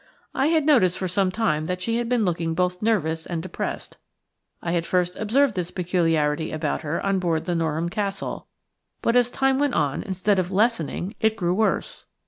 I had noticed for some time that she had been looking both nervous and depressed. I had first observed this peculiarity about her on board the Norham Castle, but, as time went on, instead of lessening it grew worse.